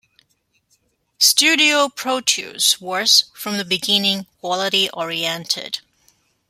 Studio Proteus was, from the beginning, quality oriented.